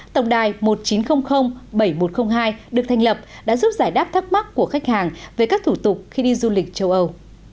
tổng đài một chín không không bảy một không hai được thành lập đã giúp giải đáp thắc mắc của khách hàng về các thủ tục khi đi du lịch châu âu